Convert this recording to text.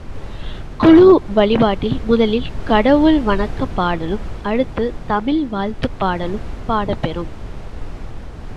குழு வழிபாட்டில் முதலில் கடவுள் வணக்கப் பாடலும் அடுத்துத் தமிழ் வாழ்த்துப் பாடலும் பாடப்பெறும்.